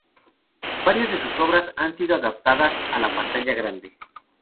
Varias de sus obras han sido adaptadas a la pantalla grande.